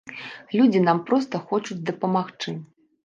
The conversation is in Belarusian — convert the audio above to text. Людзі нам проста хочуць дапамагчы!